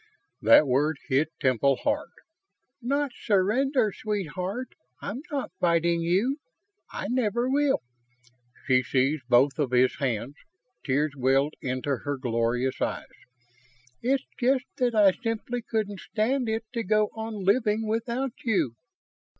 That word hit Temple hard. "Not surrender, sweetheart. I'm not fighting you. I never will." She seized both of his hands; tears welled into her glorious eyes. "It's just that I simply couldn't stand it to go on living without you!"